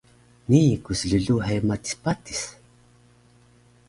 Nii ku slluhe matis patis